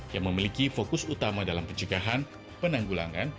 yang memiliki fokus utama dalam pencegahan penanggulangan